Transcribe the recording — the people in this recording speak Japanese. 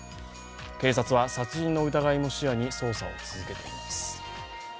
警察は殺人の疑いも視野に捜査を続けています。